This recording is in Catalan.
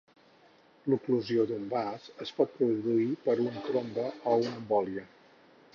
L'oclusió d'un vas es pot produir per un trombe o una embòlia.